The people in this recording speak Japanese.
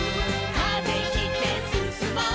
「風切ってすすもう」